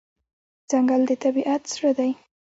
ځنګل د طبیعت زړه دی.